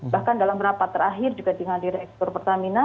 bahkan dalam rapat terakhir juga dengan direktur pertamina